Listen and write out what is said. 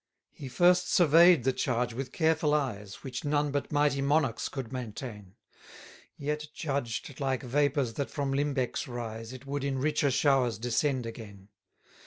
13 He first survey'd the charge with careful eyes, Which none but mighty monarchs could maintain; Yet judged, like vapours that from limbecks rise, It would in richer showers descend again.